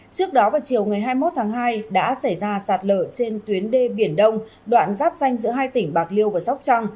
trước đó vào chiều ngày hai mươi một tháng hai đã xảy ra sạt lở trên tuyến đê biển đông đoạn giáp xanh giữa hai tỉnh bạc liêu và sóc trăng